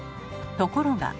ところが。